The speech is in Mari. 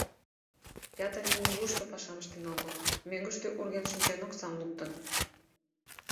Ятыр ий нигушто пашам ыштен огыл, мӧҥгыштӧ урген шинчен оксам луктын.